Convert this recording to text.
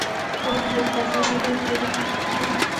وړانګه د فضا له لارې تودوخه انتقالوي.